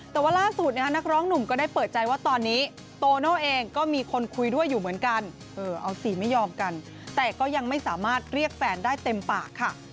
แต่ว่าล่าสุดนักร้องหนุ่มก็ได้เปิดใจว่าตอนนี้โตโน่เองก็มีคนคุยด้วยอยู่เหมือนกันเอาสิไม่ยอมกันแต่ก็ยังไม่สามารถเรียกแฟนได้เต็มปากค่ะ